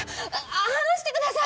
離してください！